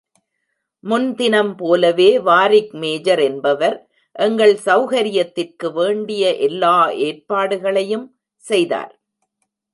முன்தினம் போலவே வாரிக் மேஜர் என்பவர் எங்கள் சௌகரியத்திற்கு வேண்டிய எல்லா ஏற்பாடுகளையும் செய்தார்.